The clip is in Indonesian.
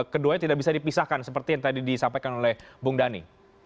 keduanya tidak bisa dipisahkan seperti yang tadi disampaikan oleh bung dhani